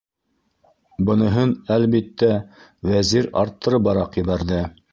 - Быныһын, әлбиттә, Вәзир арттырыбыраҡ ебәрҙе.